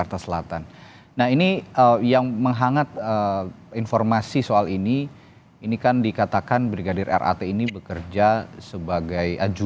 polisi masih menyelidiki motif bunuh diri brigadir ridhal ali tommy